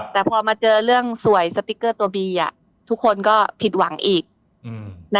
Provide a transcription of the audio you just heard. แต่พอมาเจอเรื่องสวยสติ๊กเกอร์ตัวบีทุกคนก็ผิดหวังอีก